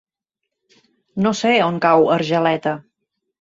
No sé on cau Argeleta.